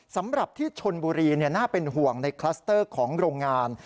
สำหรับที่ชนบุรีน่าเป็นห่วงในคลัสเตอร์ของโรงงาน